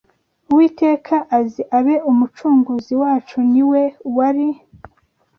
Uwiteka azi abe Umucunguzi wacu ni We wari